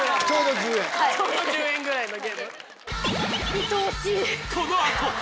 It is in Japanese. いとおしい。